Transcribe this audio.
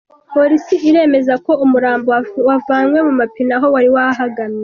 Polisi iremeza ko umurambo wavanywe mu mapine aho wari wahagamye.